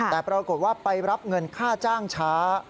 แต่ปรากฏว่าไปรับเงินค่าจ้างช้า